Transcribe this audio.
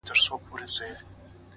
ستادی ـستادی ـستادی فريادي گلي ـ